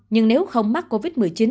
nhưng nếu không mắc covid một mươi chín